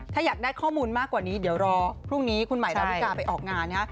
ถ้าอยากได้ข้อมูลมากกว่านี้เดี๋ยวรอพรุ่งนี้คุณหมายดาวิกาไปออกงานนะฮะ